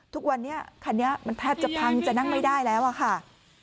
ทุกวันนี้คันนี้มันแทบจะพังจะนั่งไม่ได้แล้วอะค่ะ